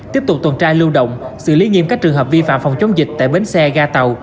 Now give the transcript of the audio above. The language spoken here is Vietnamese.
tiếp tục tuần tra lưu động xử lý nghiêm các trường hợp vi phạm phòng chống dịch tại bến xe ga tàu